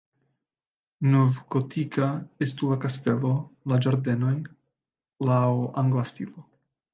Novgotika estu la kastelo, la ĝardenoj laŭ angla stilo.